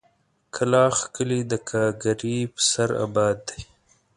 کلاخ کلي د گاگرې په سر اباد دی.